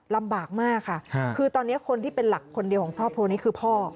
ลำบากมากค่ะคือตอนนี้คนที่เป็นหลักคนเดียวของครอบครัวนี้คือพ่อ